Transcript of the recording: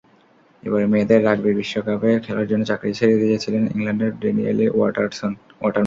এবারের মেয়েদের রাগবি বিশ্বকাপে খেলার জন্য চাকরি ছেড়ে দিয়েছিলেন ইংল্যান্ডের ড্যানিয়েলি ওয়াটারম্যান।